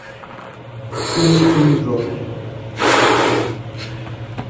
তুমি ইন্দ্র।